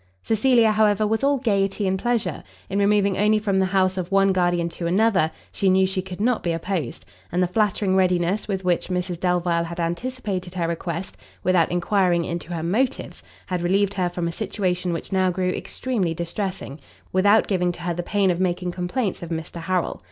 Cecilia, however, was all gaiety and pleasure: in removing only from the house of one guardian to another, she knew she could not be opposed; and the flattering readiness with which Mrs Delvile had anticipated her request, without enquiring into her motives, had relieved her from a situation which now grew extremely distressing, without giving to her the pain of making complaints of Mr Harrel.